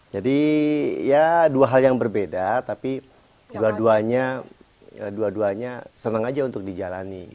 jadi ya dua hal yang berbeda tapi dua duanya senang aja untuk dijalani